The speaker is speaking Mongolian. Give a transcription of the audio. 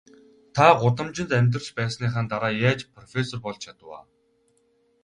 Та гудамжинд амьдарч байсныхаа дараа яаж профессор болж чадав аа?